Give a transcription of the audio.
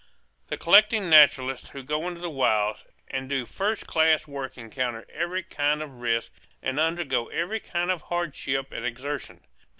The collecting naturalists who go into the wilds and do first class work encounter every kind of risk and undergo every kind of hardship and exertion.